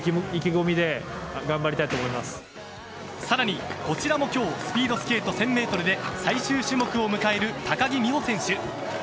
さらに、こちらも今日スピードスケート１０００ｍで最終種目を迎える高木美帆選手。